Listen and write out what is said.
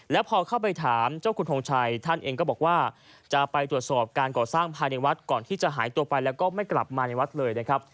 แล้วพอเข้าไปถามเจ้าคุณทงชัยท่านเองก็บอกว่าจะไปตรวจสอบการก่อสร้างภายในวัดก่อนที่จะหายตัวไปแล้วก็ไม่กลับมาในวัดเลยนะครับ